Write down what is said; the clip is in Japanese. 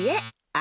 あ！